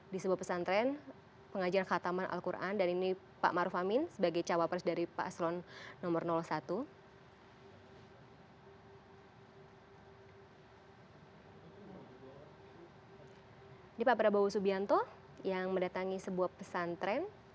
di sebuah pesantren pengajian khataman al qur'an dan ini pak maruf amin sebagai cawapers dari paslon nomor satu